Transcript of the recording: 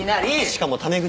しかもタメ口。